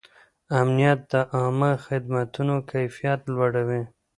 امنیت د عامه خدمتونو کیفیت لوړوي.